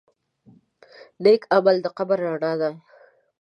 نیک عمل د قبر رڼا ده.